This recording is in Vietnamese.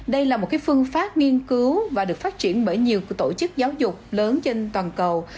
đây là một phương pháp nghiên cứu và được phát triển bởi nhiều tổ chức giáo dục lớn trên toàn cầu